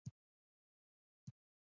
نیکه د خپلو خلکو سره یوه قوي اړیکه ساتي.